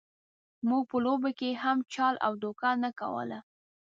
موږ په لوبو کې هم چل او دوکه نه کوله.